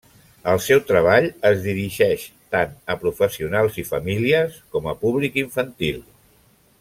El seu treball es dirigeix tant a professionals i famílies com a públic infantil.